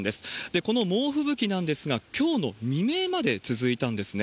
この猛吹雪なんですが、きょうの未明まで続いたんですね。